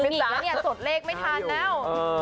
สดเลขไม่ทันแล้ว